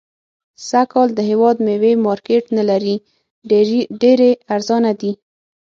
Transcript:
سږ کال د هيواد ميوي مارکيټ نلري .ډيري ارزانه دي